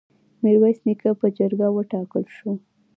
میرویس نیکه په جرګه وټاکل شو.